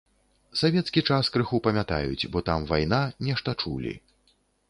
Савецкі час крыху памятаюць, бо там вайна, нешта чулі.